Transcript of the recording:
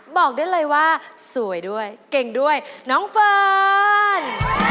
บอกได้เลยว่าสวยด้วยเก่งด้วยน้องเฟิร์น